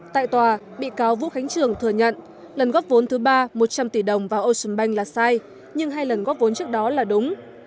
tại tòa bị cáo vũ khánh trường thừa nhận lần góp vốn thứ ba một trăm linh tỷ đồng vào ocean bank là sai nhưng hai lần góp vốn trước đó là đúng